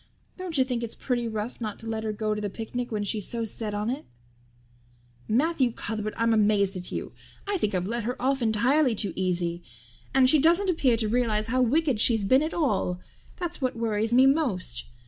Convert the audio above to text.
Don't you think it's pretty rough not to let her go to the picnic when she's so set on it?" "Matthew Cuthbert, I'm amazed at you. I think I've let her off entirely too easy. And she doesn't appear to realize how wicked she's been at all that's what worries me most.